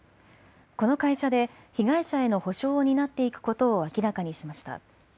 この会社で被害者への補償を担っていくことを明らかにしました。